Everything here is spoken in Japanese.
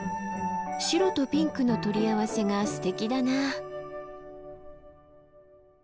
白とピンクの取り合わせがすてきだな。